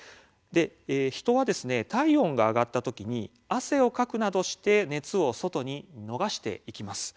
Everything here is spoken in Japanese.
人は体温が上がった時汗をかくなどして熱を外に逃がしていきます。